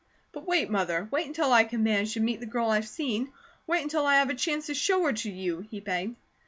"But wait, Mother, wait until I can manage to meet the girl I've seen. Wait until I have a chance to show her to you!" he begged.